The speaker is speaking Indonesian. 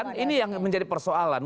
kan ini yang menjadi persoalan